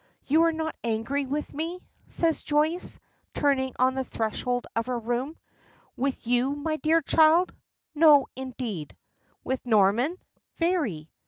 "You are not angry with me?" says Joyce, turning on the threshold of her room. "With you, my dear child? No, indeed. With Norman, very!